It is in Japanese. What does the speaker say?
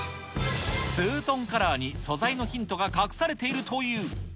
ツートンカラーに素材のヒントが隠されているという。